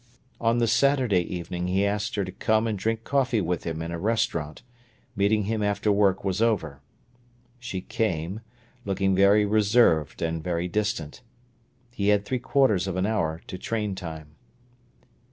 On the Saturday evening he asked her to come and drink coffee with him in a restaurant, meeting him after work was over. She came, looking very reserved and very distant. He had three quarters of an hour to train time.